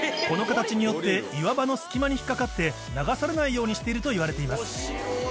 この形によって、岩場の隙間に引っかかって、流されないようにしているといわれています。